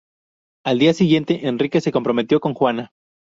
Al día siguiente, Enrique se comprometió con Juana.